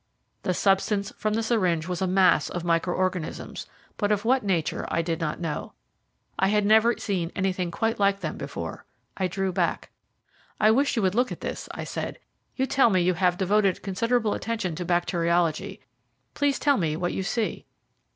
The substance from the syringe was a mass of micro organisms, but of what nature I did not know. I had never seen any quite like them before. I drew back. "I wish you would look at this," I said. "You tell me you have devoted considerable attention to bacteriology. Please tell me what you see."